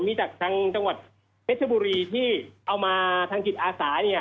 มีจากทางจังหวัดเม็ดชะบุรีที่เอามาทางจิตอาสา